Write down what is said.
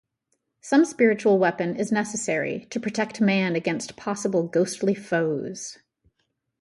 Some spiritual weapon is necessary to protect man against possible ghostly foes.